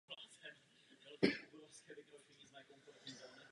Ve druhé nejvyšší soutěži hrál za Baník Havířov.